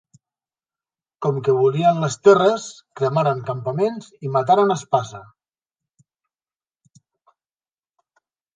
Com que volien les terres, cremaren campaments i mataren a espasa.